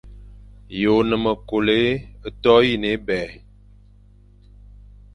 Ye one me kôlo toyine ébèign.